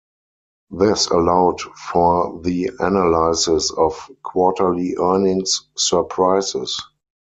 This allowed for the analysis of Quarterly Earnings Surprises.